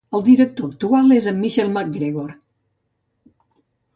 El director actual és Michael McGregor.